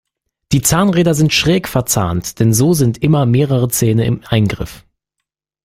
Die Zahnräder sind schräg verzahnt, denn so sind immer mehrere Zähne im Eingriff.